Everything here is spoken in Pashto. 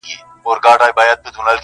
نن به زه هم يا مُلا يا به کوټوال واى!!